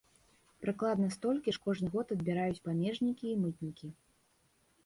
Прыкладна столькі ж кожны год адбіраюць памежнікі і мытнікі.